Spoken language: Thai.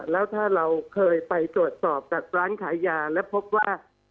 แล้วถ้าเราเคยไปตรวจสอบจากร้านขายยาและพบว่า